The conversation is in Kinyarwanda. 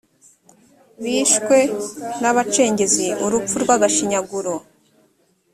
bishwe n’abacengezi urupfu rw agashinyaguro